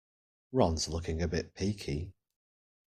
Ron's looking a bit peaky.